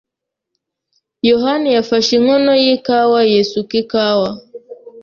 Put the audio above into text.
yohani yafashe inkono yikawa yisuka ikawa.